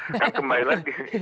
hahaha kembali lagi